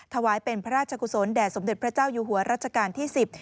ถวายเป็นพระราชกุศลแด่สมเด็จพระเจ้าอยู่หัวรัชกาลที่๑๐